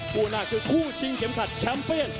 คู่หน้าคือคู่ชิงเข็มขัดแชมป์เปียน